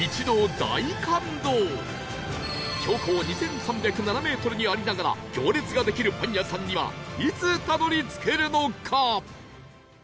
標高２３０７メートルにありながら行列ができるパン屋さんにはいつたどり着けるのか？